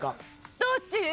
どっち？